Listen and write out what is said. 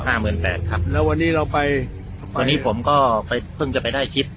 หมื่นแปดครับแล้ววันนี้เราไปวันนี้ผมก็ไปเพิ่งจะไปได้คลิป